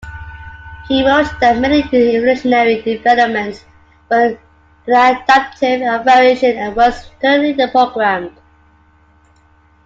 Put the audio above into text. He wrote that many evolutionary developments were nonadaptive and variation was internally programmed.